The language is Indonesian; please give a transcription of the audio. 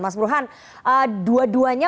mas burhan dua duanya